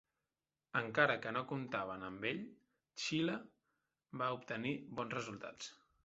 Encara que no comptaven amb ell, Xile va obtenir bons resultats.